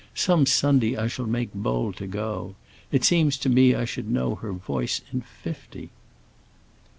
Some Sunday I shall make bold to go. It seems to me I should know her voice in fifty."